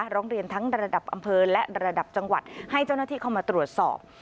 ร้องเรียนทั้งระดับอำเภอและระดับจังหวัดให้เจ้าหน้าที่เข้ามาตรวจสอบ